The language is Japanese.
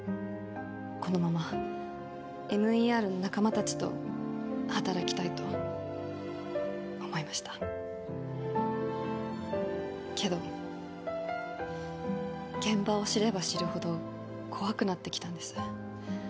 このままＭＥＲの仲間達と働きたいと思いましたけど現場を知れば知るほど怖くなってきたんです